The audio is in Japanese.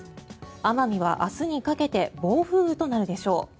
奄美は明日にかけて暴風雨となるでしょう。